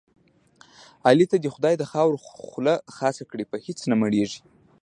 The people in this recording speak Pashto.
علي ته دې خدای د خاورو خوله خاصه کړي په هېڅ نه مړېږي.